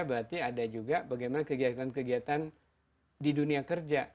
berarti ada juga bagaimana kegiatan kegiatan di dunia kerja